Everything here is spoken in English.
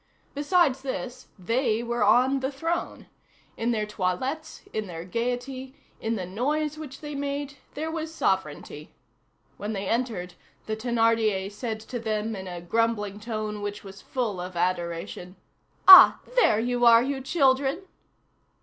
Besides this, they were on the throne. In their toilettes, in their gayety, in the noise which they made, there was sovereignty. When they entered, the Thénardier said to them in a grumbling tone which was full of adoration, "Ah! there you are, you children!"